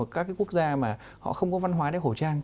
các quốc gia mà họ không có văn hóa đeo khẩu trang